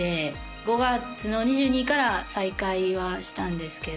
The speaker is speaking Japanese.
５月の２２から再開はしたんですけど。